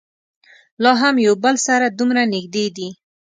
لا هم یو بل سره دومره نږدې دي.